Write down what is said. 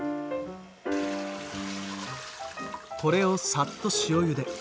これをさっと塩ゆで。